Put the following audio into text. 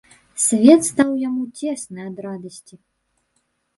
Свет стаў яму цесны ад радасці.